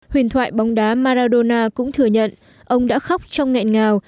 huyền thoại bóng đá maradona cũng thừa nhận ông đã khóc trong nghẹn ngào